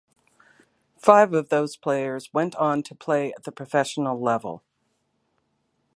Five of those players went on to play at the professional level.